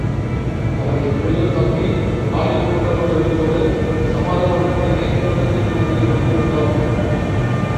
அவர் எப்படியோ தப்பி, காலில் பூட்டப்பட்ட விலங்கோடு, சமாதான உடன்படிக்கைக் கூட்டத்தின் மத்தியில் வந்து விழுந்தார்.